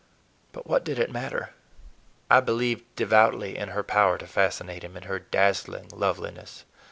But what did it matter? I believed devoutly in her power to fascinate him, in her dazzling loveliness.